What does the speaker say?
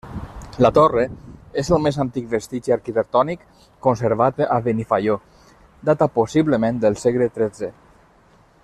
La torre és el més antic vestigi arquitectònic conservat a Benifaió, data possiblement del segle tretze.